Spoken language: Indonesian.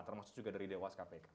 termasuk juga dari dewas kpk